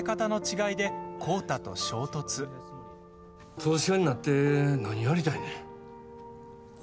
投資家になって何やりたいねん。